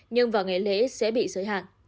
nhưng vào ngày lễ sẽ bị giới hạn